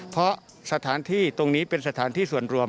เพราะสถานที่ตรงนี้เป็นสถานที่ส่วนรวม